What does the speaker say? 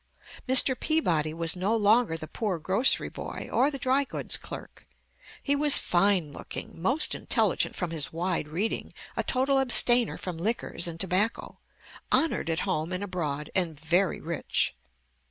Mr. Peabody was no longer the poor grocery boy, or the dry goods clerk. He was fine looking, most intelligent from his wide reading, a total abstainer from liquors and tobacco, honored at home and abroad, and very rich.